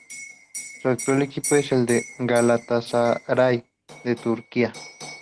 Su actual equipo es el Galatasaray de Turquía.